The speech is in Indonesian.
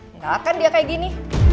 enggak akan dia kayak gini